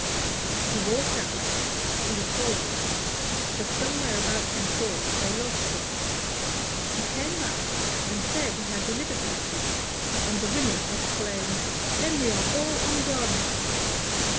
He walked out; he was followed; but somewhere about St. Paul's they lost him. He came back, and said he had delivered the message, and the women exclaimed, "Then we are all undone!"